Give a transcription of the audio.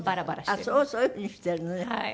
そういうふうにしているのね。